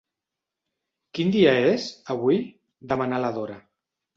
Quin dia és, avui? —demana la Dora.